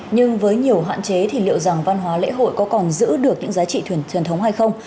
nhưng với nhiều hạn chế thì liệu rằng văn hóa lễ hội có còn giữ được những giá trị truyền thống hay không